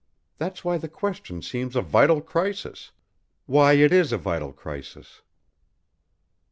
That's why the question seems a vital crisis why it is a vital crisis."